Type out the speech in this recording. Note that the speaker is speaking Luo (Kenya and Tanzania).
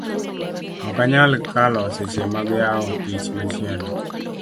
ok anyal kalo seche mag yawo tich machielo